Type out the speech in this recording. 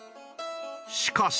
しかし。